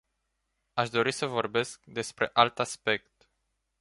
Aș dori să vorbesc despre alt aspect.